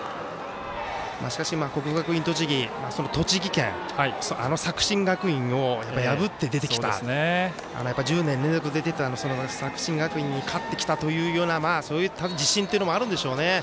国学院栃木その栃木県、あの作新学院を破って出てきたやっぱり１０年連続出てきていた作新学院に勝ってきたというような自信というのもあるんでしょうね。